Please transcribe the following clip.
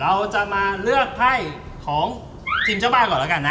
เราจะมาเลือกไภของทีมเจ้าบ้านก่อนก่อนนะ